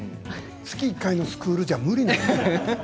月１回のスクールでは無理なの。